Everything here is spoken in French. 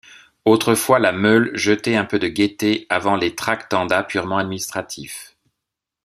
Autrefois la Meule jetait un peu de gaieté avant les tractanda purement administratifs.